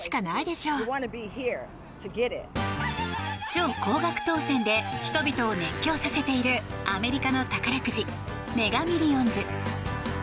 超高額当せんで人々を熱狂させているアメリカの宝くじメガミリオンズ。